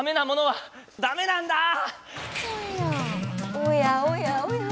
おやおやおや。